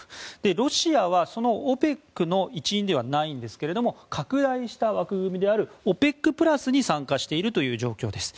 ロシアはそのＯＰＥＣの一員ではないんですけれども拡大した枠組みであるＯＰＥＣプラスに参加しているという状況です。